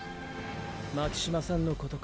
巻島さんのことか。